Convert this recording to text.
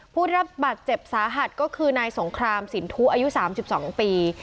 ผู้ได้รับบัตรเจ็บสาหัดก็คือนายสงครามสินทุอายุสามสิบสองปี